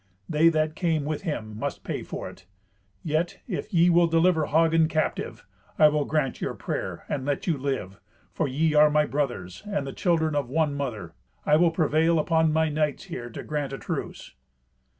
They that came with him must pay for it. Yet, if ye will deliver Hagen captive, I will grant your prayer, and let you live; for ye are my brothers, and the children of one mother. I will prevail upon my knights here to grant a truce."